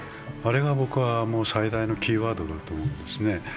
あれが僕は最大のキーワードだと思いますね。